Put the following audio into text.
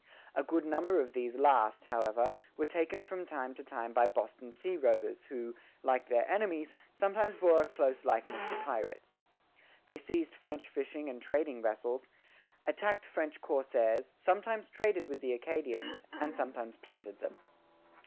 A good number of these last, however, were taken from time to time by Boston sea rovers, who, like their enemies, sometimes bore a close likeness to pirates. They seized French fishing and trading vessels, attacked French corsairs, sometimes traded with the Acadians, and sometimes plundered them.